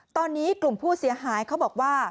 ตอนนี้กลุ่มผู้เสียหายเขาบอกว่า